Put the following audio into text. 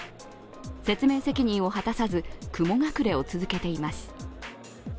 説明責任を果たさず、雲隠れを続けています。